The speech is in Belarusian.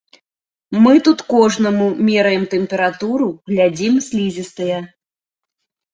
Мы тут кожнаму мераем тэмпературу, глядзім слізістыя.